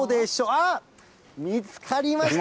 あっ、見つかりました。